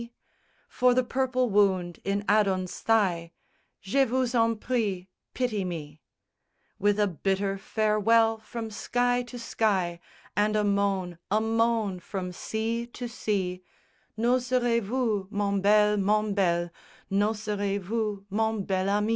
_ For the purple wound in Adon's thigh; Je vous en prie, pity me; With a bitter farewell from sky to sky, And a moan, a moan, from sea to sea; _N'oserez vous, mon bel, mon bel, N'oserez vous, mon bel ami?